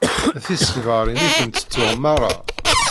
D tisegbarin i tent-tuɣ merra.